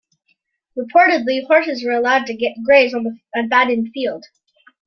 Reportedly, horses were allowed to graze on the abandoned field.